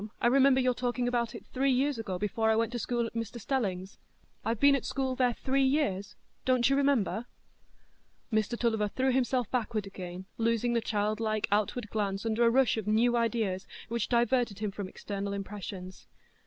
"I remember your talking about it three years ago, before I went to school at Mr Stelling's. I've been at school there three years; don't you remember?" Mr Tulliver threw himself backward again, losing the childlike outward glance under a rush of new ideas, which diverted him from external impressions.